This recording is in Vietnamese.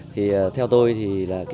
thì theo tôi thì